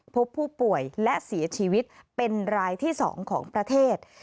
พบผู้ป่วยและเสียชีวิตเป็นรายที่๒ของประเทศ